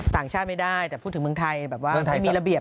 ต่างชาติไม่ได้แต่พูดถึงเมืองไทยแบบว่าไม่มีระเบียบ